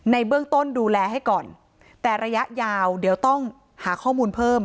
ในเบื้องต้นดูแลให้ก่อนแต่ระยะยาวเดี๋ยวต้องหาข้อมูลเพิ่ม